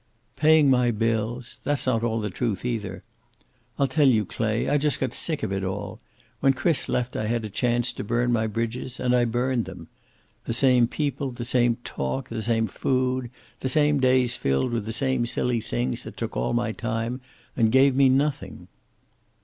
"Paying my bills! That's not all the truth, either. I'll tell you, Clay. I just got sick of it all. When Chris left I had a chance to burn my bridges and I burned them. The same people, the same talk, the same food, the same days filled with the same silly things that took all my time and gave me nothing."